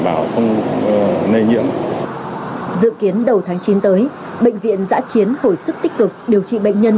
bảo không nây nhiễm dự kiến đầu tháng chín tới bệnh viện giã chiến hồi sức tích cực điều trị bệnh nhân